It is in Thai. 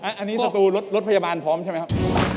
อันนี้สตูรถพยาบาลพร้อมใช่ไหมครับ